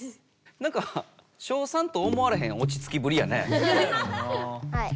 なんか小３と思われへんおちつきぶりやね。